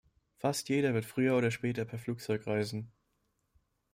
Fast jeder wird früher oder später per Flugzeug reisen.